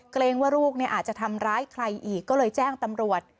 เกรงว่าลูกอาจจะทำร้ายใครอีกก็เลยแจ้งตำรวจ